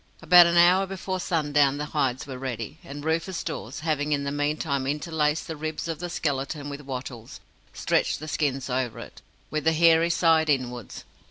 About an hour before sundown the hides were ready, and Rufus Dawes, having in the meantime interlaced the ribs of the skeleton with wattles, stretched the skins over it, with the hairy side inwards.